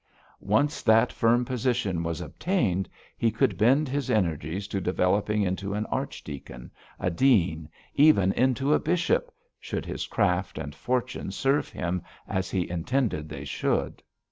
Once that firm position was obtained, he could bend his energies to developing into an archdeacon, a dean, even into a bishop, should his craft and fortune serve him as he intended they should.